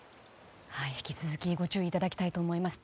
引き続きご注意いただきたいと思います。